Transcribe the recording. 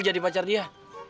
jadi pacar dia